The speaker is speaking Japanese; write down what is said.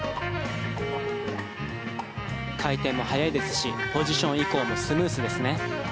回転も速いですしポジション移行もスムーズですね。